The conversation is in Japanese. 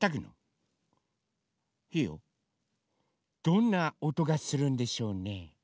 どんなおとがするんでしょうね？